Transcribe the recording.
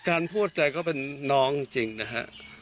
พูดใจก็เป็นน้องจริงนะฮะ